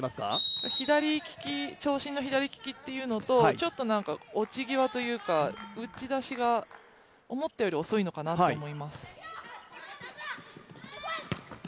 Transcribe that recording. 長身の左利きというのと、ちょっと落ち際というか、打ち出しが思ったより遅いのかなと思います。